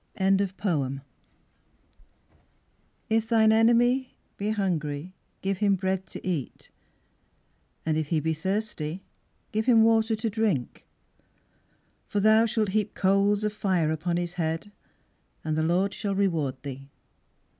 Wordsworth If thine enemy be hungry, give him bread to eat; and if he be thirsty give him water to drink; for thou shalt heap coals of fire upon his head, and the Lord shall reward thee.